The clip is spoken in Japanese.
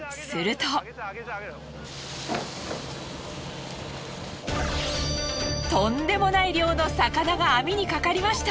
とんでもない量の魚が網にかかりました。